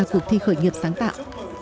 cuộc thi khởi nghiệp sáng tạo